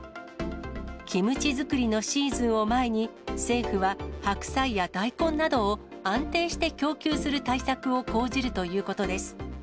キムチ作りのシーズンを前に、政府は、白菜や大根などを安定して供給する対策を講じるということです。